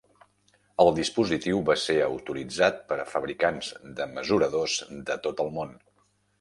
El dispositiu va ser autoritzat per a fabricants de mesuradors de tot el món.